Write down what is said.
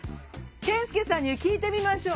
健介さんに聞いてみましょう。